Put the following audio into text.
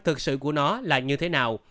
thực sự của nó là như thế nào